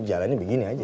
jalannya begini aja